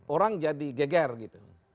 orang jadi geger gitu